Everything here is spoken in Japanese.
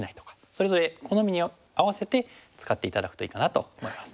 それぞれ好みに合わせて使って頂くといいかなと思います。